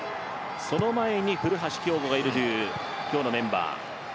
その前に古橋亨梧がいるという今日のメンバー。